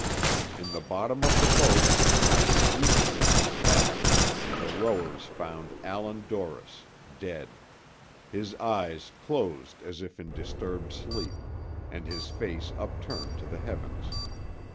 In the bottom of the boat, lying easily on his back, the rowers found Allan Dorris, dead; his eyes closed as if in disturbed sleep, and his face upturned to the heavens.